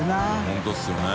本当ですよね。